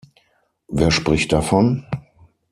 Wer spricht davon?